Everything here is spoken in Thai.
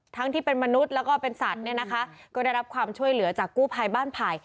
ที่เป็นมนุษย์แล้วก็เป็นสัตว์เนี่ยนะคะก็ได้รับความช่วยเหลือจากกู้ภัยบ้านไผ่